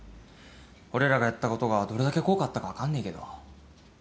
俺らがやったことがどれだけ効果あったか分かんねえけど。